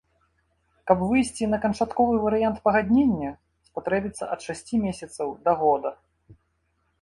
Каб выйсці на канчатковы варыянт пагаднення, спатрэбіцца ад шасці месяцаў да года.